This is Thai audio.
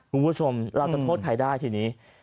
คุณผู้ชมเราจะโทษใครได้ทีนี้